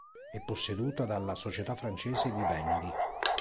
È posseduta dalla società francese Vivendi.